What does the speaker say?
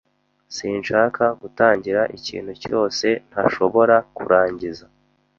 Sinshaka gutangira ikintu cyose ntashobora kurangiza.